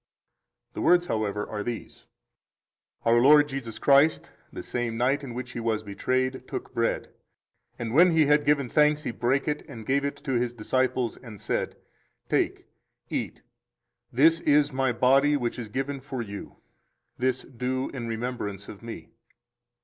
The words, however, are these: 3 Our Lord Jesus Christ, the same night in which He was betrayed, took bread; and when He had given thanks, He brake it, and gave it to His disciples, and said, Take, eat; this is My body, which is given for you: this do in remembrance of Me.